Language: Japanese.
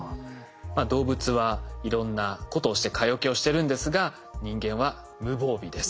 動物はいろんなことをして蚊よけをしてるんですが人間は無防備です。